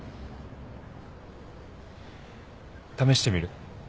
試してみる？